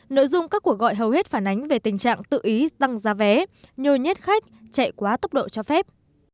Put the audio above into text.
nội dung các cuộc gọi hầu hết phản ánh về tình trạng tự ý tăng giá vé nhồi nhét khách chạy quá tốc độ cho phép